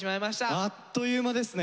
あっという間ですね。ね！